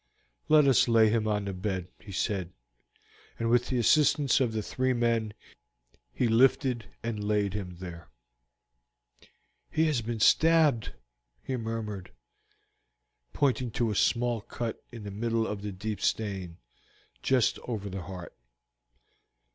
"Let us lay him on the bed," he said, and with the assistance of the three men he lifted and laid him there. "He has been stabbed," he murmured, pointing to a small cut in the middle of the deep stain, just over the heart.